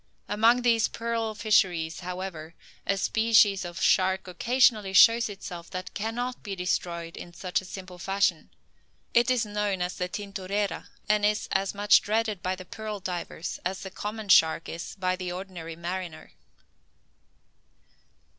Among these pearl fisheries, however, a species of shark occasionally shows itself that cannot be destroyed in such a simple fashion. It is known as the tintorera, and is as much dreaded by the pearl divers as the common shark is by the ordinary mariner.